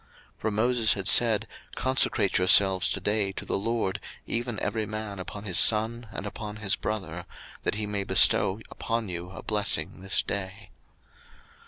02:032:029 For Moses had said, Consecrate yourselves today to the LORD, even every man upon his son, and upon his brother; that he may bestow upon you a blessing this day.